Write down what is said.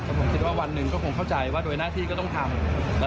แต่ผมคิดว่าวันหนึ่งก็คงเข้าใจว่าโดยหน้าที่ก็ต้องทำ